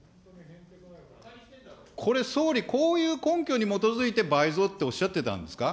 これ総理、こういう根拠に基づいて倍増っておっしゃってたんですか。